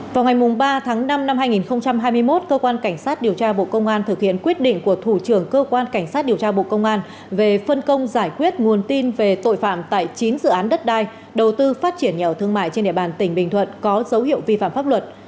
vào ngày ba tháng năm năm hai nghìn hai mươi một cơ quan cảnh sát điều tra bộ công an thực hiện quyết định của thủ trưởng cơ quan cảnh sát điều tra bộ công an về phân công giải quyết nguồn tin về tội phạm tại chín dự án đất đai đầu tư phát triển nhà ở thương mại trên địa bàn tỉnh bình thuận có dấu hiệu vi phạm pháp luật